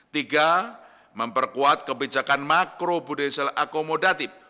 tiga memperkuat kebijakan makrobilansial akomodatif